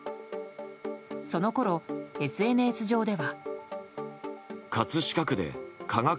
そのころＳＮＳ上では。